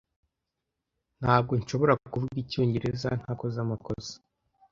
S SNtabwo nshobora kuvuga icyongereza ntakoze amakosa.